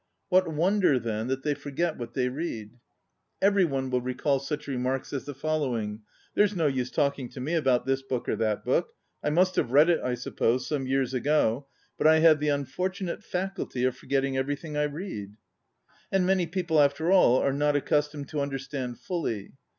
What wonder, then, that they forget what they read? Every one will recall such remarks as the following: "There's no use talking to me about this book or that book, ŌĆö I must have read it, I sup pose, some years ago; but I have the unfortunate faculty of for getting everything I read." And many people, after all, are not accustomed to understand fully.